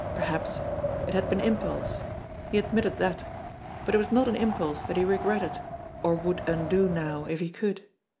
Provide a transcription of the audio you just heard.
Perhaps ! It had been impulse. He admitted that; but it was not an impulse that he regretted, or would undo now if he could.